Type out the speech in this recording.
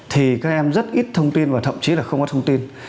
thì các em rất ít thông tin và thậm chí là không có thông tin